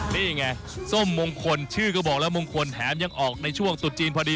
นี่ไงส้มมงคลชื่อก็บอกแล้วมงคลแถมยังออกในช่วงตุดจีนพอดี